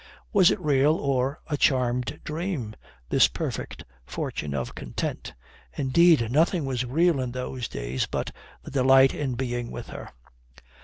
Was it real, or a charmed dream, this perfect fortune of content? Indeed, nothing was real in those days but the delight in being with her.